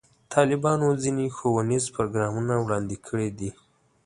طالبانو ځینې ښوونیز پروګرامونه وړاندې کړي دي.